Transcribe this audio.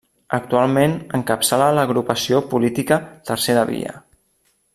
Actualment, encapçala l'agrupació política Tercera Via.